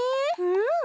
うん。